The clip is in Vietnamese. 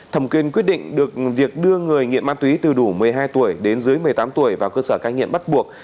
thẩm quyền quyết định được việc đưa người nghiện ma túy từ đủ một mươi hai tuổi đến dưới một mươi tám tuổi vào cơ sở cai nghiện bắt buộc